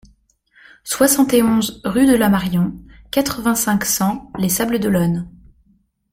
soixante et onze rue de la Marion, quatre-vingt-cinq, cent, Les Sables-d'Olonne